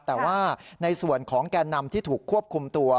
แต่ว่าในส่วนของแก่นำที่ถูกควบคุมตัว